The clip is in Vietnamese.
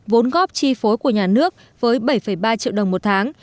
vốn góp chi phối của nhà nước với bảy ba triệu đồng một tháng